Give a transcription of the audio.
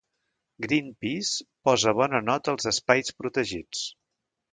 Greenpeace posa bona nota als espais protegits